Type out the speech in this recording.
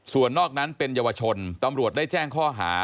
ส่วนนอกนั้นเป็นเยาวชนตำรวจได้แจ้งข้อหา